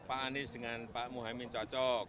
pak anies dengan pak muhaymin cocok